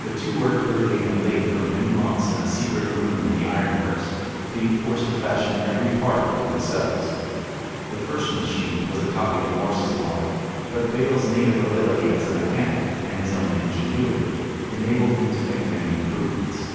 The two worked early and late for many months in a secret room in the iron works, being forced to fashion every part for themselves. The first machine was a copy of Morse's model, but Vail's native ability as a mechanic and his own ingenuity enabled him to make many improvements.